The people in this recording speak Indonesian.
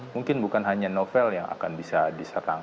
mungkin bukan hanya novel yang akan bisa diserang